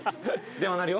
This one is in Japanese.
電話鳴るよ。